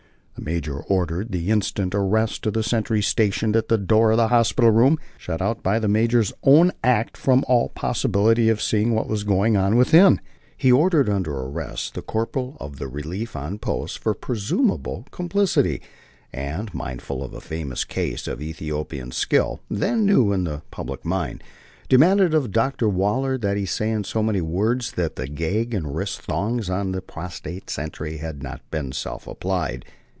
The major ordered the instant arrest of the sentry stationed at the door of the hospital room shut out by the major's own act from all possibility of seeing what was going on within. He ordered under arrest the corporal of the relief on post for presumable complicity, and, mindful of a famous case of Ethiopian skill then new in the public mind, demanded of Dr. Waller that he say in so many words that the gag and wrist thongs on the prostrate sentry had not been self applied.